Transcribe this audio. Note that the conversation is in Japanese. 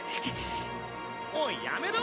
・おいやめろ！